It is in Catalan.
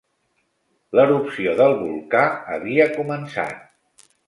L'erupció del volcà havia començat.